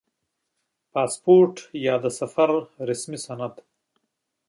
• پاسپورټ یا د پېژندنې رسمي سند